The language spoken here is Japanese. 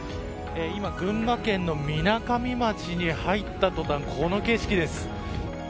今、群馬県のみなかみ町に入った途端この景色です。